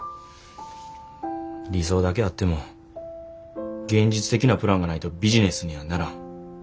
理想だけあっても現実的なプランがないとビジネスにはならん。